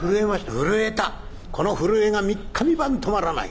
この震えが三日三晩止まらない」。